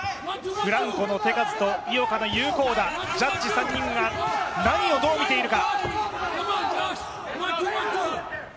フランコの手数と井岡の有効打、ジャッジ３人が何をどう見ているか。